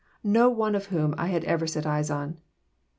no one of whom I had ever set eyes on.